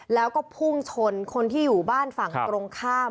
แล้วก็พุ่งชนคนที่อยู่บ้านฝั่งตรงข้าม